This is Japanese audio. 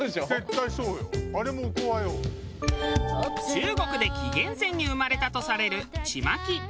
中国で紀元前に生まれたとされるちまき。